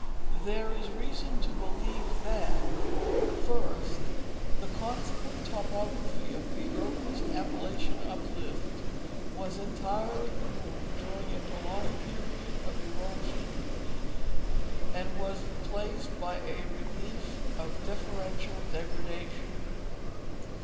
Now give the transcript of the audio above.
There is reason to believe that : 1st, The consequent topography of the earliest Appalachian uplift was entirely removed during a prolonged period of erosion and was replaced by a relief of differential degradation.